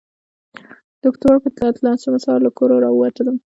د اکتوبر پر اتلسمه سهار له کوره راووتلم.